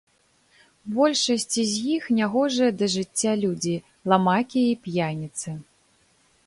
Большасць з іх нягожыя да жыцця людзі, ламакі і п'яніцы.